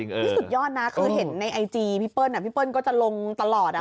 พี่สุดยอดนะเคยเห็นในไอจีพี่เปิ้ลก็จะลงตลอดนะ